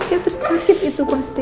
kayak terlalu sakit itu pasti